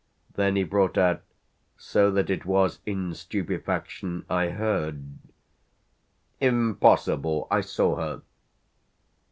Then he brought out so that it was in stupefaction I heard: "Impossible! I saw her."